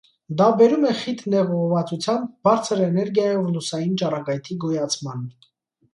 Դա բերում է խիտ նեղ ուղղվածությամբ բարձր էներգիայով լուսային ճառագայթի գոյացման։